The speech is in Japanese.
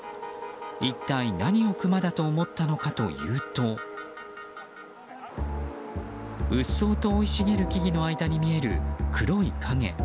一体、何をクマだと思ったのかというとうっそうと生い茂る木々の間に見える黒い影。